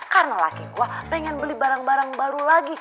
karena laki gua pengen beli barang barang baru lagi